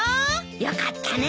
よかったね